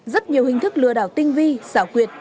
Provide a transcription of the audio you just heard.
rất nhiều hình thức lừa đảo tinh vi xảo quyệt